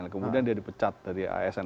kemudian dia dipecat dari asn